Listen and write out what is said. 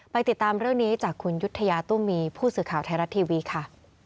ติดตามเรื่องนี้จากคุณยุธยาตุ้มมีผู้สื่อข่าวไทยรัฐทีวีค่ะ